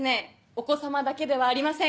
お子さまだけではありません。